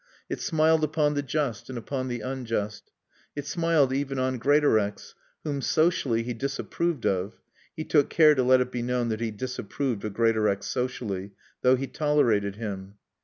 It smiled upon the just and upon the unjust. It smiled even on Greatorex, whom socially he disapproved of (he took care to let it be known that he disapproved of Greatorex socially), though he tolerated him.